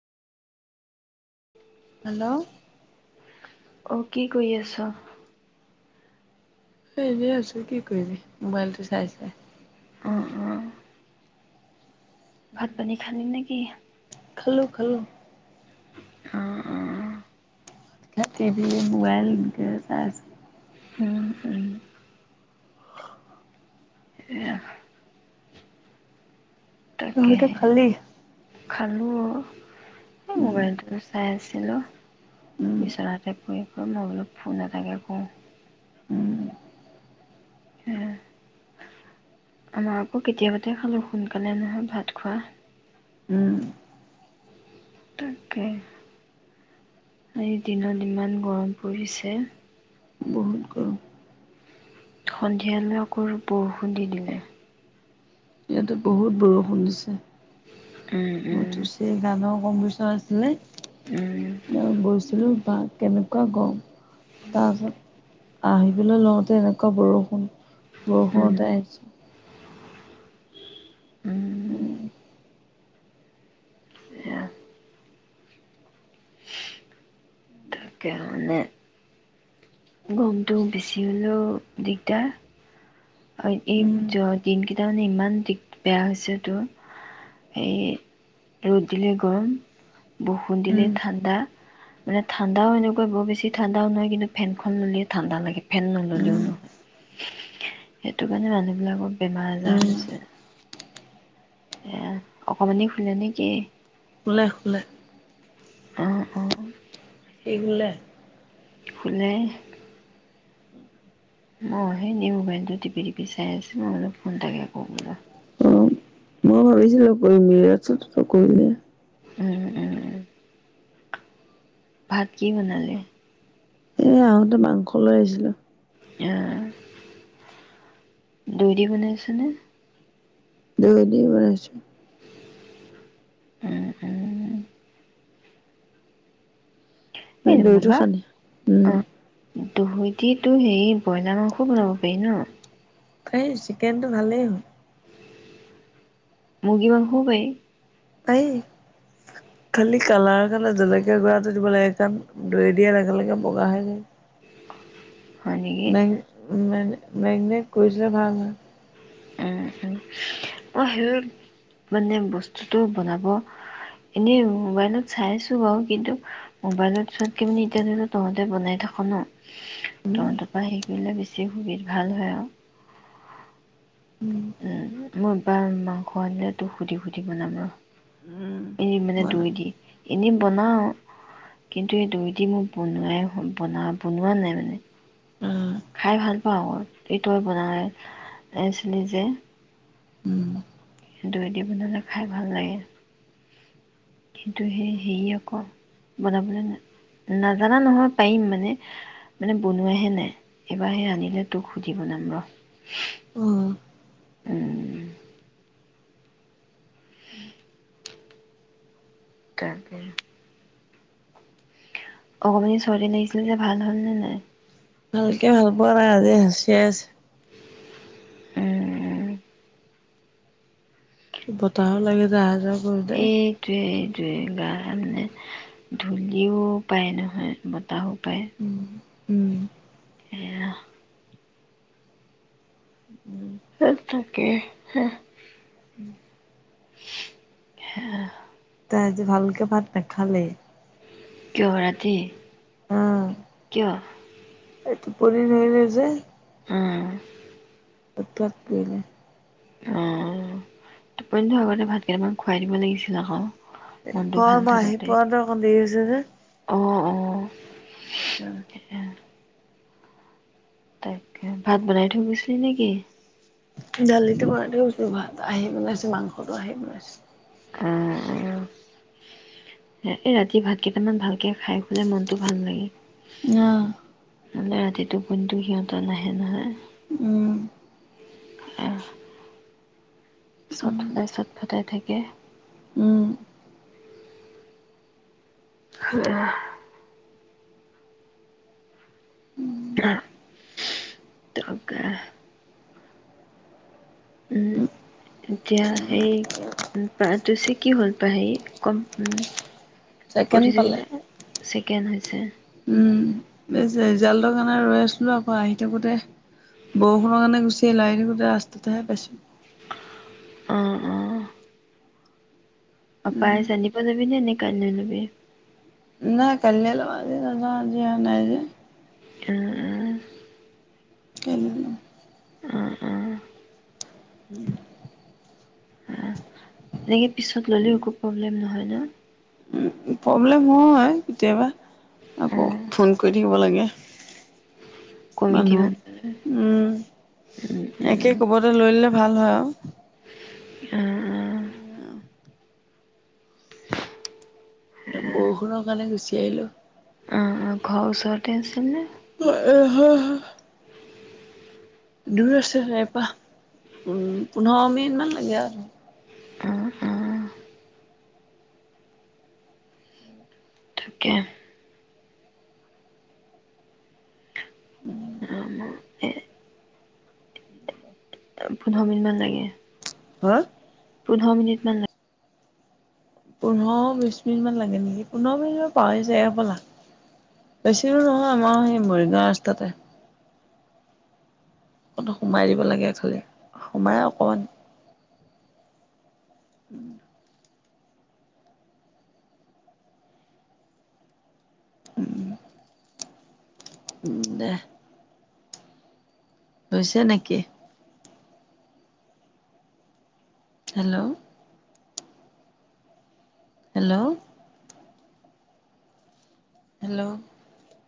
Hello অ কি কৰি আছ এনে আছো কি কৰিবি মোবাইলটো চাই চাই অঁ অঁ ভাত পানী খালি নে কি? খালোঁ খালোঁ অঁ অঁ টিভি মোবাইল এনেকে চাই আছে উম উম এয়া চতে খালি খালোঁ এ উম মোবাইলটো চাই আছিলোঁ উম বিচনা পৰি -পৰি, মই বোলো ফোন এটাকে কওঁ। উম হ আমাৰ আকৌ কেতিয়াবাতে খালো সোনকালে নহয় ভাত খোৱা উম তাকে এই দিনত ইমান গৰম পৰিছে বহুত গৰম সন্ধিয়ালৈ আকৌ বৰষুণ দি দিলে ইয়াতো বহুত বৰষুণ দিছে উম উম [unintelligible] কম পইচা আছিলে উম অ গৈছিলো, বা কেনেকুৱা গৰম তা পাছত আহিবলৈ লওঁতে এনেকুৱা বৰষুণ! উম বৰষুণতে আহিছোঁ। উম উম এয়া তাকে মানে গৰমটো বেছি হলেও দিগদাৰ আৰু এই উম দিনকেইটা মানে ইমান দিনটো বেয়া হৈছে মানে তোৰ এই ৰদ দিলে গৰম বৰষুণ দিলে উম ঠাণ্ডা মানে ঠাণ্ডাও এনেকুৱা বৰ বেছি ঠাণ্ডাও নহয় কিন্তু ফেনখন ললে ঠাণ্ডা লাগে ফেন নললেও উম নোৱাৰোঁ সেইটোকাৰণে মানুহবিলাকক বেমাৰ আজাৰ উম হৈছে। এ অকমানি শুলে নেকি? শুলে শুলে। হা হা ইংলেণ্ড শুলে মই এনে মোবাইলটোকে টিপি টিপি চাই আছো মই বোলো ফোন এটকে কৰোঁ বোলো। অ মই ভাবিছিলো কৰি মেলি আজৰি, নকৰিলে উম উম উম ভাত কি বনালি? এও আহোঁতে মাংস লৈ আহিছিলে আহ দৈ দি বনাইছনে? দৈ দি বনাইছোঁ। উম উম এই দৈটো বোবা সানি উমম অ' দৈ দি তোৰ হেৰি ব্ৰইলাৰ মাংসও বনাব পাৰি ন? এই চিকেনটো ভালেই হল। মূৰ্গী পা মহো পাৰি এই খালি কালাৰৰ কাৰণে জলকীয়া গুৰাটো দিব লাগে, কাৰণ দৈ দিয়াৰ লগে লগে বগা হয় যাই। হয় নেকি? [unintelligible] মেগ্নেত গজিলে ভাল হয়। উম, উম, মই সেই মানে বস্তুতটো বনাব এনে মোবাইলত চাই আছোঁ বাৰু কিন্তু মোবাইলত চোৱাতকে মানে এতিয়া ধৰ তহঁতে বনাই থাক ন। থ উম থ পাই দিলে বেছি সুখী ভাল হয় আও উ মই এইবাৰ মাংস আনিলে তোক সুধি সুধি বনাম ৰ। এ মানে বনাম দৈ দি। এনেই বনাওঁ কিন্তু এই দৈ দি মোৰ বনোৱাই বনোৱা নাই মানে। খাই ভাল পাওঁ কিন্তু [unintelligible] উম উম দৈ দি বনালে খাই ভাল লাগে কিন্তু হেই হেৰি আকৌ বনাবলৈ নাজানা নহয় পাৰিম মানে, মানে বনোৱাহে নাই এইবাৰ সেই আনিলে তোক অ তাকে। অকমাণি ছোৱালীজনী আহিছিল যে ভাল হল নে নাই ভালকে ভাল পোৱা নাই আজি হাচিয়াই আছে বতৰও বেয়া নহ এইটোৱেই মানে ধূলিও পায় নহয় বতাহোও পায় উম উম এয়া তাকে হ হ তাই আজি ভালকে ভাত নেখালেই কিয়? ৰাতি? আহ কিয়? টোপনি ধৰিলে যে। উম। [unintelligible] অ [unintelligible] আগতে ভাতকেইমান খুৱাই দিব লাগিছিল আকৌ। এ মনটো ভাল অ' মই আহি থাকোতে পোৱাতে অকণ দেৰি হৈছে যে। অ অ'। [inaudible] তাকে ভাত বনাই থৈ গৈছিলি নেকি? দালিটো বনাই থৈ গৈছিলোঁ। ভাত আহি বনাইছোঁ, মাংসটো আহি বনাইছোঁ। উম উম, এই ৰাতি ভাত কেইটামান ভালকে খাই শুলে মনটো ভাল লাগে। অ'। নহলে ৰাতিটো টোপনিটো সিহঁতৰ নাহে নহয়। উম। [inaudible] চত ফটাই, চত ফটাই থাকে এ। উম। [unintelligible] তাকেই উম, এতিয়া সেই [unintelligible] কি হল পাহে কম উম। ছেকেণ্ড পালে প্ৰতিযোগিতা আছি কেনে হৈছে? উম [unintelligible] ৰিজাল্টৰ কাৰণে ৰৈ আছিলোঁ আকৌ আহি থাকোঁতে বৰষুণৰ কাৰণে গুচি আহিলোঁ, আহি থাকোঁতে ৰাস্তাতেহে পাইছো। অ', অ'। আপায় জানিব যাবি নে, নে কাইলৈ যাবি? নাই কালিলৈ [unintelligible] আজি নাযাওঁ আজি এওঁ নাই যে। অ [unintelligible] অ অ অ উম। অ এনেকে পিছত ল'লেও একো প্ৰব্লেম নহয় ন'? উম, প্ৰব্লেম হয় কেতিয়াবা। অ আকৌ ফোন কৰি থাকিব লাগে। মানুহ, উম, উম একে উম ক'বাতে লৈ ল'লে ভাল হয় আৰু অ, অহ। অ বৰষুণৰ কাৰণে গুচি আহিলো। ঘৰ ওচৰতে আছিল নে? [unintelligible] হ দূৰ আছে এৰপা, উম, পোন্ধৰ মিনিটমান লাগে আৰু। অ অ তাকে অ অ, পোন্ধৰ মিনিটমান লাগে। হা? পোন্ধৰ মিনিটমান লাগ পোন্ধৰ বিশ মিনিটমান লাগে নেকি, পোন্ধৰ মিনিটমান পাওঁ যে এফালা। বেছি দূৰ নহয় আমাৰ সেই মৰিগাঁও ৰাস্তাতে। অকণ সোমাই দিব লাগে ইফালে, সোমাই অকণমান উম - উম। উম দে। হৈছে নেকি? হেল্ল? হেল্ল? হেল্ল?